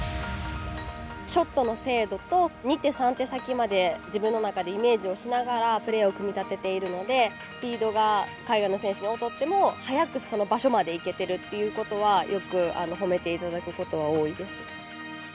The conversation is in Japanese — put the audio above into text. ショットの精度と二手、三手先まで自分の中でイメージをしながらプレーを組み立てているのでスピードが海外の選手に劣っても早くその場所まで行けてるっていうことはよく褒めていただくことは多いです。